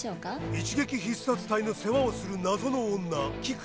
一撃必殺隊の世話をする謎の女キク。